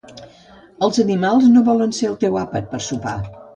Els animals no volen ser el teu àpat per sopar